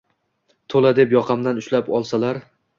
To’la deb yoqamdan ushlab olsalar